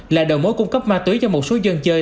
là đầu mối cung cấp ma túy cho một số dân chơi